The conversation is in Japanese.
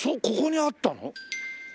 ここにあったの？